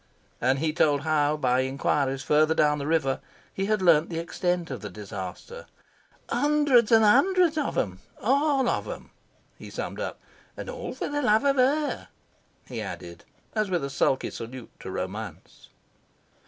And he told how, by inquiries further down the river, he had learned the extent of the disaster. "Hundreds and hundreds of them ALL of them," he summed up. "And all for the love of HER," he added, as with a sulky salute to Romance.